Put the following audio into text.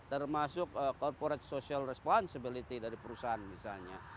termasuk corporate social responsibility dari perusahaan misalnya